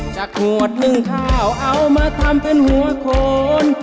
จากหมวดหนึ่งขาวเอามาทำเป็นหัวโคน